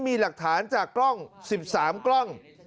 มีหลักฐานจากกล้อง๑๓กล้อง